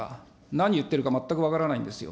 何言ってるか全く分からないんですよ。